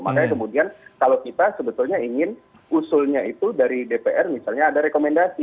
makanya kemudian kalau kita sebetulnya ingin usulnya itu dari dpr misalnya ada rekomendasi